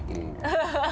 ハハハ。